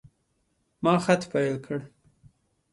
ما خط پیل کړ.